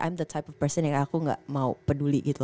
m the type person yang aku gak mau peduli gitu